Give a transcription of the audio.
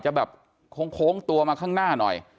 จะแบบโค้งตัวมาข้างหน้าหน่อย